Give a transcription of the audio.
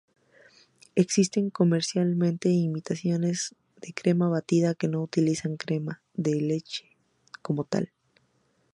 Existen comercialmente imitaciones de crema batida que no utilizan crema de leche como tal.